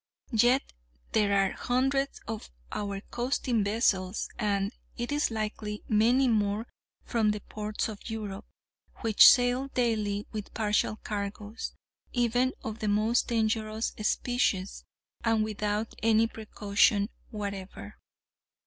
Yet there are hundreds of our coasting vessels, and, it is likely, many more from the ports of Europe, which sail daily with partial cargoes, even of the most dangerous species, and without any precaution whatever.